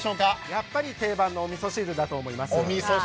やっぱり定番のおみそ汁だと思います。